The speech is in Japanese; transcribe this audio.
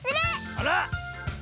あら！